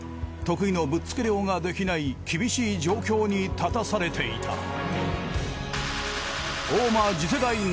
得意のぶっつけ漁ができない厳しい状況に立たされていた。